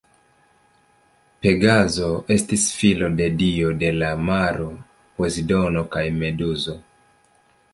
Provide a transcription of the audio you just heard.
Pegazo estis filo de dio de la maro Pozidono kaj Meduzo.